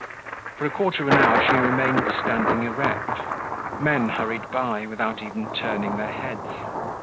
For a quarter of an hour she remained standing erect. Men hurried by without even turning their heads.